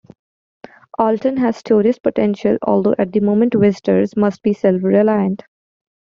Alton has tourist potential, although at the moment visitors must be self-reliant.